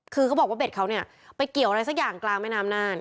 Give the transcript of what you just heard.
คือเขาบอกว่าเบ็ดเขาเนี่ยไปเกี่ยวอะไรสักอย่างกลางแม่น้ำน่าน